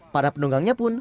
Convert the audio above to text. para penduduknya pun